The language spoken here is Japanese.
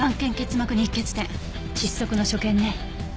窒息の所見ね。